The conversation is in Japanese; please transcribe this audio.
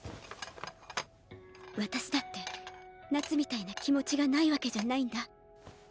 私だって夏みたいな気持ちがないわけじゃないんだ。